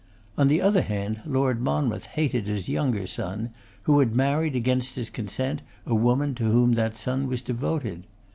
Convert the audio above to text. On the other hand, Lord Monmouth hated his younger son, who had married, against his consent, a woman to whom that son was devoted.